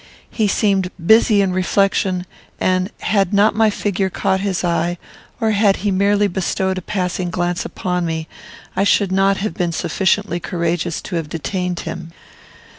He seemed busy in reflection; and, had not my figure caught his eye, or had he merely bestowed a passing glance upon me, I should not have been sufficiently courageous to have detained him.